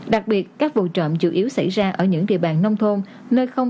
đặc biệt các vụ trộm chủ yếu xảy ra ở những địa bàn nông thôn